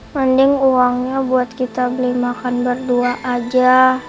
banding uangnya buat kita beli makan berdua aja